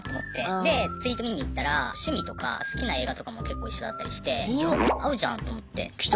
でツイート見に行ったら趣味とか好きな映画とかも結構一緒だったりして合うじゃんと思って。